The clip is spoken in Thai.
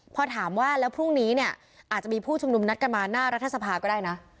พอถามว่าแล้วพรุ่งนี้เนี่ยอาจจะมีผู้ชุมนุมนัดกันมาหน้ารัฐสภาก็ได้นะ